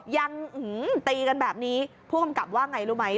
ยังตีกันแบบนี้ผู้กำกับว่าไงรู้ไหม